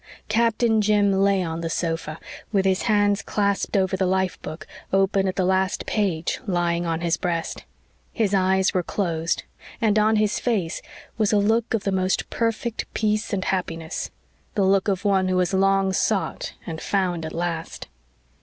Captain Jim lay on the sofa, with his hands clasped over the life book, open at the last page, lying on his breast. His eyes were closed and on his face was a look of the most perfect peace and happiness the look of one who has long sought and found at last.